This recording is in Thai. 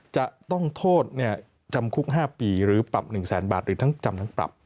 จะต้องโทษจำคุก๕ปีหรือปรับ๑แสนบาทหรือทั้งจำทั้งปรับ